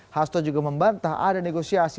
hasto juga membantah ada negosiasi